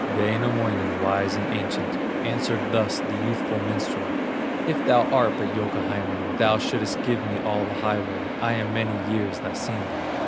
Wainamoinen, wise and ancient, Answered thus the youthful minstrel: "If thou art but Youkahainen, Thou shouldst give me all the highway; I am many years thy senior."